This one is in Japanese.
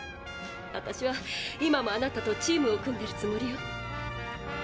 私は今もあなたとチームを組んでるつもりよ。